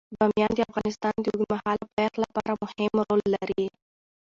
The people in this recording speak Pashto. بامیان د افغانستان د اوږدمهاله پایښت لپاره مهم رول لري.